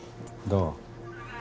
どう？